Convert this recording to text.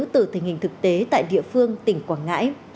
từ tình hình thực tế tại địa phương tỉnh quảng ngãi